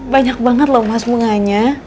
banyak banget loh mas bunganya